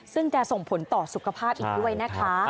ซึ่งจะส่งผลต่อสุขภาพอีกด้วยนะคะ